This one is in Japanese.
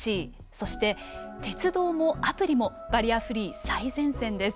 そして、鉄道もアプリもバリアフリー最前線です。